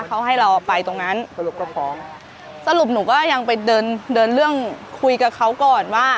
เขาให้เราไปตรงนั้นสรุปก็ฟ้องสรุปหนูก็ยังไปเดินเดินเรื่องคุยกับเขาก่อนว่า